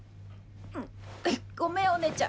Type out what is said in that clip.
ごめんお姉ちゃん。